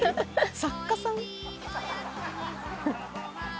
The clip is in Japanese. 作家さん？